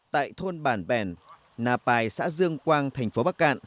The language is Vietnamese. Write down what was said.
tại thôn bản bèn nà pài xã dương quang thành phố bắc cạn